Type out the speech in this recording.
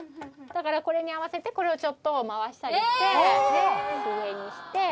だからこれに合わせてこれをちょっと回したりして。